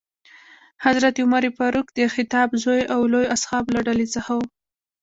حضرت عمر فاروق د خطاب زوی او لویو اصحابو له ډلې څخه ؤ.